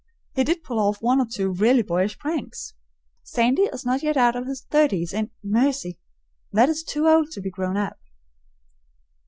He did pull off one or two really boyish pranks. Sandy is not yet out of his thirties and, mercy! that is too early to be grown up.